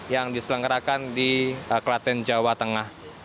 yang diselenggarakan di klaten jawa tengah